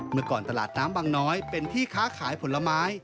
เมื่อก่อนตลาดน้ำบางน้อยเป็นที่ค้าขายผลไม้